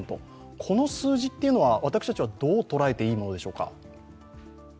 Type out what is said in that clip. この数字は、私たちはどう捉えていいものでしょうか？